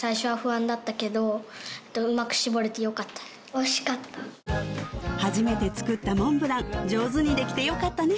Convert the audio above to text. おいしい初めて作ったモンブラン上手にできてよかったね